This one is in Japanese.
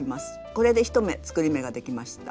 これで１目作り目ができました。